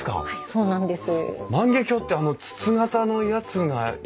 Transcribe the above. そうなんです。